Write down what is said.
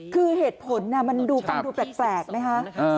คือเหตุผลน่ะมันดูกลางดูแปลกนะฮะ